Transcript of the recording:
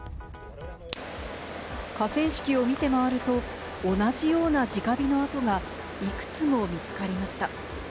河川敷を見て回ると、同じような直火の跡がいくつも見つかりました。